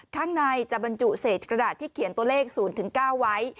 ข้างในจะบรรจุเศษกระดาษที่เขียนตัวเลข๐๙ไว้